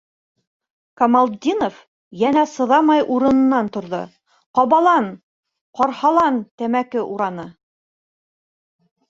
Камалетдинов йэнэ сыҙамай урынынан торҙо, ҡабалан- ҡарһалан тәмәке ураны.